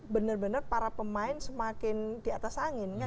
benar benar para pemain semakin di atas angin